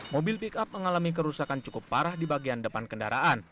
mobil pick up mengalami kerusakan cukup parah di bagian depan kendaraan